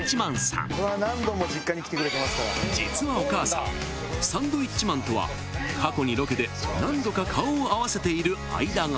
［実はお母さんサンドウィッチマンとは過去にロケで何度か顔を合わせている間柄］